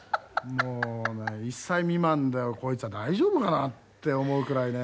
もうね１歳未満だけどこいつは大丈夫かな？って思うくらいね。